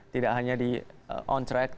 tidak hanya di on track